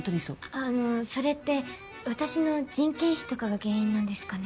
あのそれって私の人件費とかが原因なんですかね。